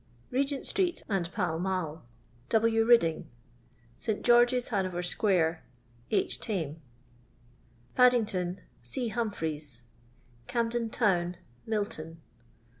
Hcgent street andPall raaU W. Ridding. St. Georgt.'^, iianover sq. H. Tame. Paddin^Tton C. Humphries. Camden town Milton.